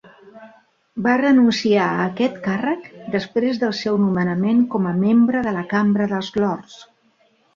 Va renunciar a aquest càrrec després del seu nomenament com a membre de la Cambra dels lords.